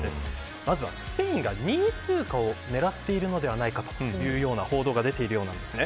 まずはスペインが２位通過を狙ってるのではないかという報道が出ています。